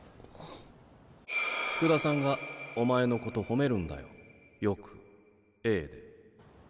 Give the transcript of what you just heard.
福田さんがお前のこと褒めるんだよよくＡで。